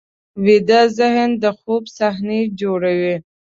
ویده ذهن د خوب صحنې جوړوي